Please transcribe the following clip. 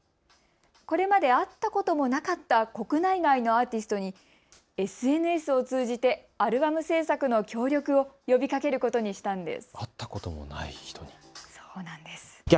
これまで会ったこともなかった国内外のアーティストにＳＮＳを通じてアルバム制作の協力を呼びかけることにしたんです。